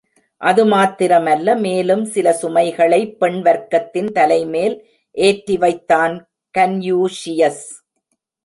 அது மாத்திரமல்ல, மேலும் சில சுமைகளை பெண் வர்க்கத்தின் தலைமேல் ஏற்றி வைத்தான் கன்யூஷியஸ்.